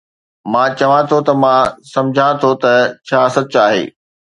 مان چوان ٿو ته مان سمجهان ٿو ته ڇا سچ آهي